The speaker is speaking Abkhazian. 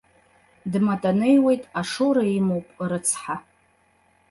Дматанеиуеит, ашоура имоуп, рыцҳа!